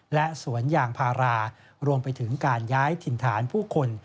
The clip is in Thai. และสวนยางพารารวมไปถึงการย้ายถิ่นฐานผู้คน